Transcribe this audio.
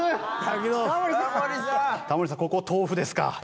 タモリさんここ豆腐ですか。